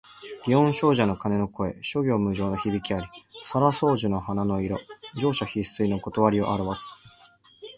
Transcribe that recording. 祇園精舎の鐘の声、諸行無常の響きあり。沙羅双樹の花の色、盛者必衰の理をあらわす。